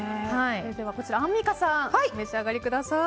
アンミカさんお召し上がりください。